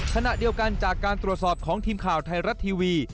ขณะเดียวกันจากการตรวจสอบของทีมข่าวไทยรัฐทีวี